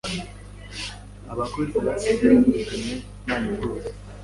Abakozi basigaye birukanwe nta nteguza.